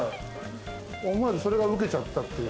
思わずそれがウケちゃった。